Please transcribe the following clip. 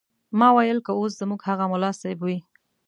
ما ویل که اوس زموږ هغه ملا صیب وي.